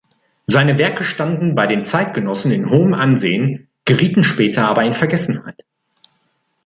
Seine Werke standen bei den Zeitgenossen in hohem Ansehen, gerieten später aber in Vergessenheit.